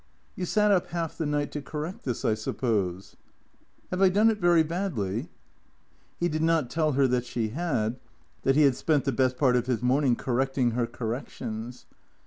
" You sat up half the night to correct this, I suppose ?"" Have I done it very badly ?" He did. not tell her that she had, that he had spent the best part of his morning correcting her corrections.